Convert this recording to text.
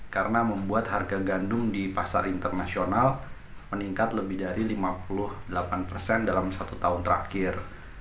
karena membuat harga gandum di pasar internasional meningkat lebih dari lima puluh delapan dalam satu tahun terakhir